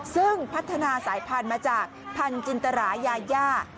ซึ่งพัฒนาสายพันธุ์มาจากพันธุ์จินตรายาย่า